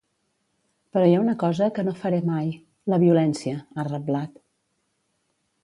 Però hi ha una cosa que no faré mai: la violència, ha reblat.